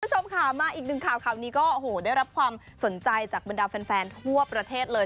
คุณผู้ชมค่ะมาอีกหนึ่งข่าวข่าวนี้ก็โอ้โหได้รับความสนใจจากบรรดาแฟนทั่วประเทศเลย